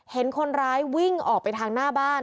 เห็นคนร้ายวิ่งออกไปทางหน้าบ้าน